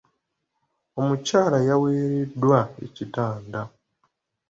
Omukyala yawereddwa ekitanda.